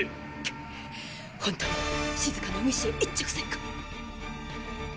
本当に静かの海市へ一直線か。